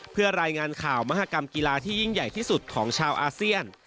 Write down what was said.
เพื่อรายงานข่าวมหากรรมกีฬาที่ยิ่งใหญ่ที่สุดของชาวอาเซียน